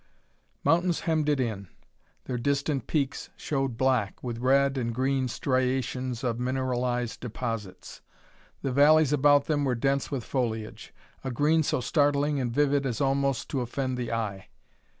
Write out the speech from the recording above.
Mountains hemmed it in; their distant peaks showed black, with red and green striations of mineralized deposits. The valleys about them were dense with foliage, a green so startling and vivid as almost to offend the eye.